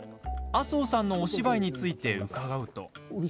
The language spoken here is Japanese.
麻生さんのお芝居について伺うと。